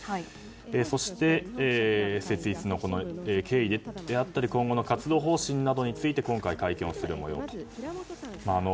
そして、設立の経緯や今後の活動方針について今回、会見をする模様です。